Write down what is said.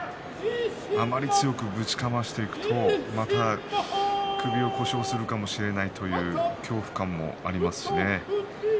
あまり強くぶちかましていくとまた首を故障するかもしれないという恐怖感もありますしね。